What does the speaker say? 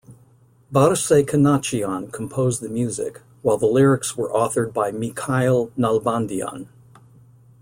Barsegh Kanachyan composed the music, while the lyrics were authored by Mikael Nalbandian.